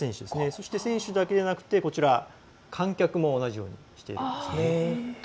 そして選手だけでなくて観客も同じようにしているんです。